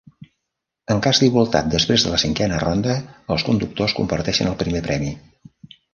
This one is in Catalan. En cas d'igualtat després de la cinquena ronda, els conductors comparteixen el primer premi.